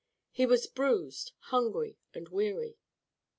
He was bruised, hungry, and weary.